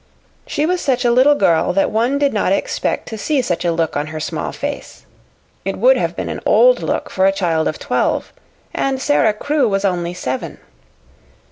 She was such a little girl that one did not expect to see such a look on her small face. It would have been an old look for a child of twelve, and Sara Crewe was only seven.